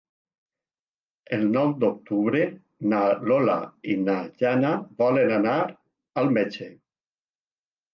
El nou d'octubre na Lola i na Jana volen anar al metge.